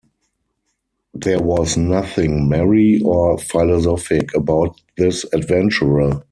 There was nothing merry or philosophic about this adventurer.